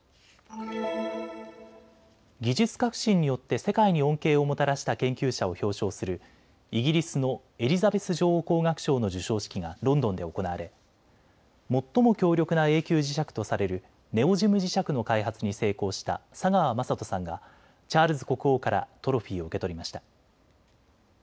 技術革新によって世界に恩恵をもたらした研究者を表彰するイギリスのエリザベス女王工学賞の授賞式がロンドンで行われ最も強力な永久磁石とされるネオジム磁石の開発に成功した佐川眞人さんがチャールズ国王からトロフィーを受け取りました。